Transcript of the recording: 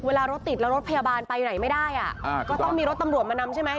รถติดแล้วรถพยาบาลไปไหนไม่ได้อ่ะอ่าก็ต้องมีรถตำรวจมานำใช่ไหม